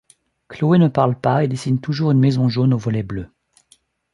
Chloé ne parle pas et dessine toujours une maison jaune aux volets bleus.